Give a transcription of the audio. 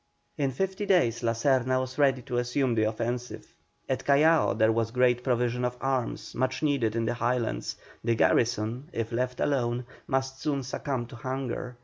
In fifty days La Serna was ready to assume the offensive. At Callao there was great provision of arms much needed in the Highlands; the garrison, if left alone, must soon succumb to hunger.